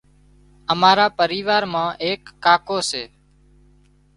امارا پريوار مان ايڪ ڪاڪو سي